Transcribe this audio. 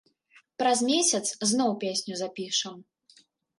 Праз месяц зноў песню запішам.